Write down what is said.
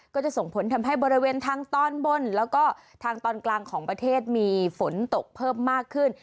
ก็จะส่งผลทำให้บริเวณทางตอนบนแล้วก็ทางตอนกลางของประเทศมีฝนตกเพิ่มมากขึ้น